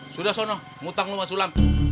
sudah sono mutang lu sama sulam